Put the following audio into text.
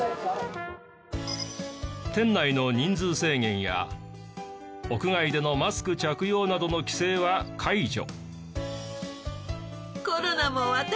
店内の人数制限や屋外でのマスク着用などの規制は解除。